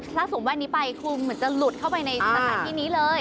ถ้าสวมแว่นนี้ไปคือเหมือนจะหลุดเข้าไปในสถานที่นี้เลย